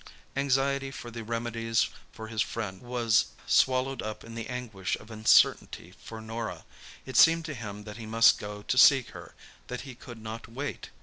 Anxiety for the remedies for his friend was swallowed up in the anguish of uncertainty for Norah. It seemed to him that he must go to seek her—that he could not wait!